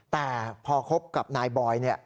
แต่พอคบกับนายบอย